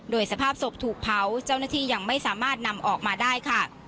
โดยสภาพศพถูกเผาเจ้าหน้าที่ยังไม่สามารถนำออกมาได้ค่ะ